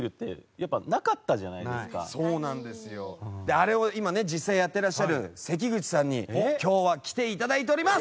あれを今ね実際やってらっしゃるせきぐちさんに今日は来ていただいております。